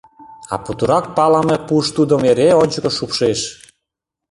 А путырак палыме пуш тудым эре ончыко шупшеш.